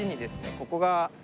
ここが。